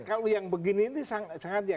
kalau yang begini ini sangat ya